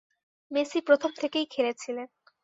Messi প্রথম থেকেই খেলেছিলেন।